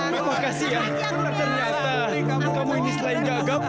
ternyata kamu ini selain gagap